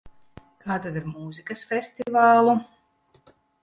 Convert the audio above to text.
Kā tad ar mūzikas festivālu?